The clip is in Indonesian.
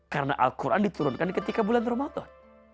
karena al quran diturunkan ketika bulan ramadan